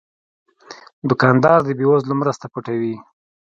دوکاندار د بې وزلو مرسته پټوي.